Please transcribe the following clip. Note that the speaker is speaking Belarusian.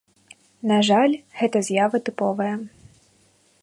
На жаль, гэта з'ява тыповая.